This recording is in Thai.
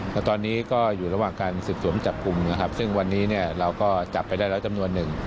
และตอนนี้ก็อยู่ระหว่างการสืบสวนจับกลุ่มซึ่งวันนี้เราก็จับไปได้ร้อยจำนวนหนึ่ง